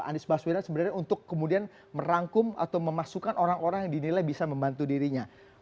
jadi ini akan menjadi ajang anies baswira sebenarnya untuk kemudian merangkum atau memasukkan orang orang yang dinilai bisa membantu dirinya